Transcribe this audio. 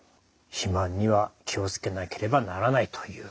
肥満には気を付けなければならないという。